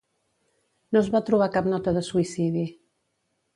No es va trobar cap nota de suïcidi.